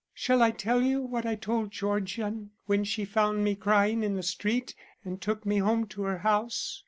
Shall I tell you what I told Georgian when she found me crying in the street and took me home to her house?"